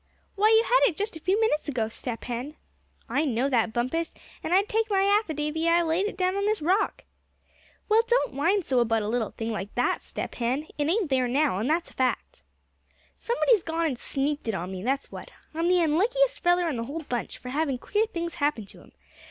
"Why, you had it just a few minutes ago, Step Hen!" "I know that, Bumpus; and I'd take my affidavy I laid it down on this rock." "Well, don't whine so about a little thing like that, Step Hen; it ain't there now, and that's a fact." "Somebody's gone and sneaked it on me, that's what. I'm the unluckiest feller in the whole bunch, for havin' queer things happen to him.